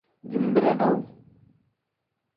Zinbiri-duu.